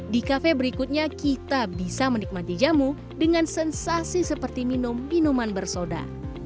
di kafe berikutnya kita bisa menikmati jamu dengan sensasi seperti minum minuman bersoda